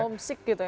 homsik gitu ya